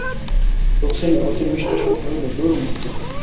রুক্মিণী অতি মিষ্টস্বরে কহিল, দূর মূর্খ।